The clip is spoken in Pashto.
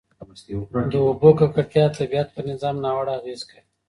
د اوبو ککړتیا د طبیعت پر نظام ناوړه اغېز کوي.